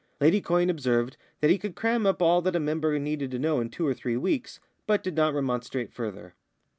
Lady Quyne observed that he could cram up all that a Member needed to know in two or three weeks, but did not remonstrate further.